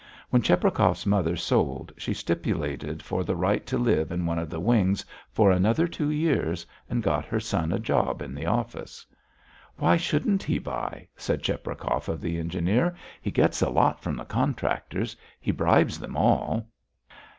When Cheprakov's mother sold, she stipulated for the right to live in one of the wings for another two years and got her son a job in the office. "Why shouldn't he buy?" said Cheprakov of the engineer. "He gets a lot from the contractors. He bribes them all."